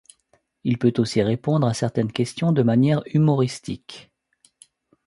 Il peut aussi répondre à certaines questions de manière humoristique.